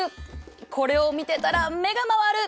これを見てたら目が回る！